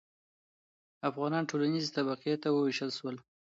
افغانان ټولنیزې طبقې ته وویشل شول.